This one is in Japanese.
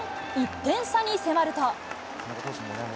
１点差に迫ると。